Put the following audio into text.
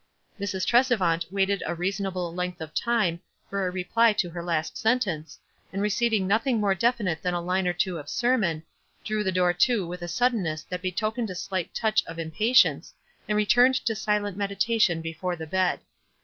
Mrs. Tresevant waited a reasonable length of time for a reply to her last sentence, and re ceiving nothiug more definite than a line or two of sermon, drew the door to with a suddenness that betokened a slight touch of impatience, and returned to silent meditation before the bed.